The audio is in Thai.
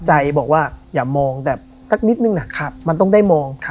ใจบอกว่าอย่ามองแต่สักนิดนึงนะมันต้องได้มอง